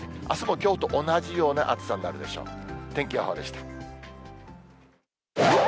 あすもきょうと同じような暑さになるでしょう。